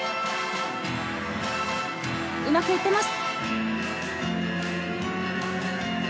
うまくいっています。